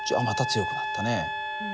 また強くなったね。